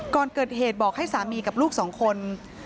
ก่อนเกิดเหตุบอกให้สามีกับลูกสองคน